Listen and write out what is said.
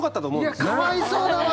いやかわいそうだわ